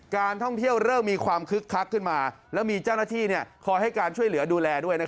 การท่องเที่ยวเริ่มมีความคึกคักขึ้นมาแล้วมีเจ้าหน้าที่คอยให้การช่วยเหลือดูแลด้วย